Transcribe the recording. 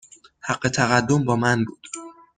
حق تقدم با من بود.